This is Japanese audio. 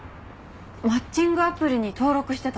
マッチングアプリに登録してた？